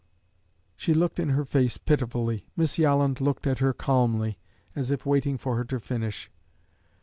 She looked in her face pitifully. Miss Yolland looked at her calmly, as if waiting for her to finish.